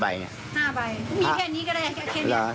ใบ๕ใบมีแค่นี้ก็ได้แค่นี้